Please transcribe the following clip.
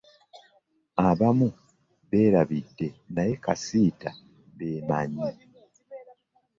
Abamu mbeerabidde naye kasita beemanyi.